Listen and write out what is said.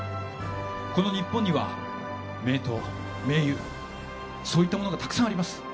この日本には、名湯そういったものがたくさんあります。